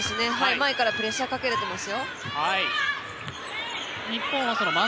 前からプレッシャーかけられています。